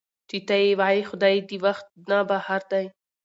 چې تۀ وائې خدائے د وخت نه بهر دے